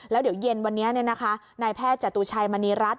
แล้วเดี๋ยวเย็นวันนี้นายแพทย์จตุชัยมณีรัฐ